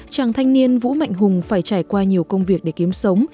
chàng thanh niên vũ mạnh hùng phải trải qua nhiều công việc để kiếm sống